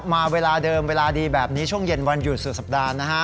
มาเวลาเดิมเวลาดีแบบนี้ช่วงเย็นวันหยุดสุดสัปดาห์นะฮะ